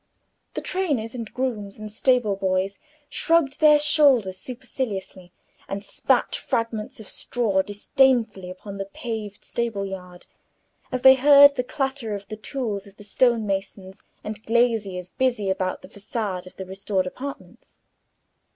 The trainers, and grooms, and stable boys shrugged their shoulders superciliously, and spat fragments of straw disdainfully upon the paved stable yard, as they heard the clatter of the tools of the stone masons and glaziers busy about the façade of the restored apartments.